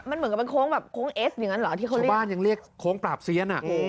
มันเหมือนกับเป็นโค้งแบบโค้งเอสอย่างนั้นเหรอที่เขาคือบ้านยังเรียกโค้งปราบเซียนอ่ะ